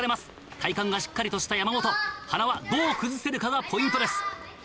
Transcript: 体幹がしっかりとした山本塙どう崩せるかがポイントです。